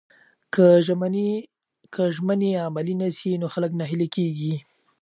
که ژمنې عملي نسي نو خلک ناهیلي کیږي.